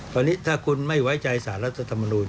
ตอนนี้ถ้าคุณไม่ไว้ใจศาลรัฐนูร